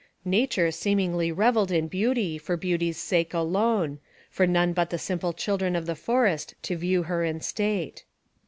Nature seemingly reveled in beauty, for beauty's sake alone, for none but the simple children of the forest to view her in state.